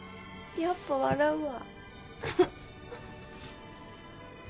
やっぱ笑うわ。